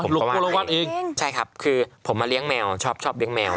โลโก้เราก็วาดเองใช่ครับคือผมมาเลี้ยงแมวชอบเลี้ยงแมว